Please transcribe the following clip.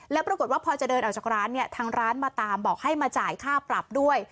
แล้วปรากฏว่าพอจะเดินออกจากร้านเนี่ยทางร้านมาตามบอกให้มาจ่ายค่าปรับด้วย